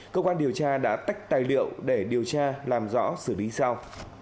cơ quan điều tra đã tách tài liệu để điều tra làm rõ xử lý sau